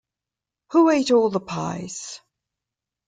Who Ate All the Pies?